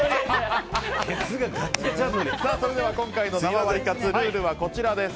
それでは今回の生ワリカツルールはこちらです。